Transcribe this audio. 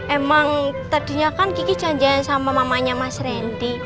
emang tadinya kan kiki janji janjian sama mamanya mas randy